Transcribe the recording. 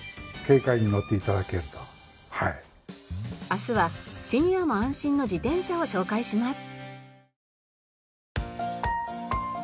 明日はシニアも安心の自転車を紹介します。